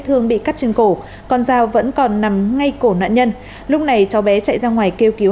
thương bị cắt chừng cổ con dao vẫn còn nằm ngay cổ nạn nhân lúc này cháu bé chạy ra ngoài kêu cứu